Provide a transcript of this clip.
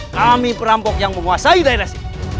kami perampok yang menguasai dinasi